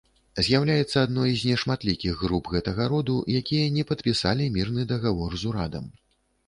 З'яўляецца адной з нешматлікіх груп гэтага роду, якія не падпісалі мірны дагавор з урадам.